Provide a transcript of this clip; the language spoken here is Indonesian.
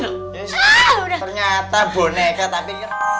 ternyata boneka tapi